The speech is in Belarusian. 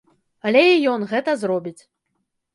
Але і ён гэта зробіць.